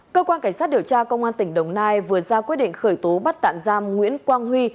cơ quan cảnh sát điều tra công an tp hcm vừa ra quyết định khởi tố bắt tạm giam nguyễn quang huy